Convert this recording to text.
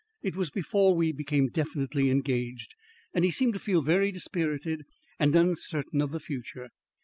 It was before we became definitely engaged, and he seemed to feel very dispirited and uncertain of the future.